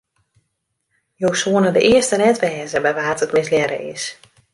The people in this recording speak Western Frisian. Jo soene de earste net wêze by wa't it mislearre is.